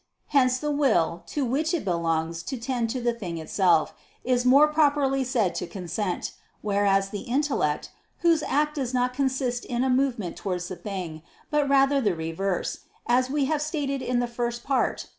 Hence the will, to which it belongs to tend to the thing itself, is more properly said to consent: whereas the intellect, whose act does not consist in a movement towards the thing, but rather the reverse, as we have stated in the First Part (Q.